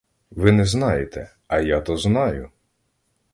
Ви не знаєте, а я-то знаю!